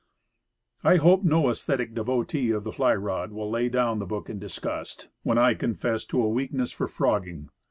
I hope no aesthetic devotee of the fly rod will lay down the book in disgust when I confess to a weakness for frogging.